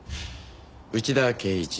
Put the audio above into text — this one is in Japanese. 内田圭一。